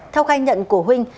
theo khai nhận của huynh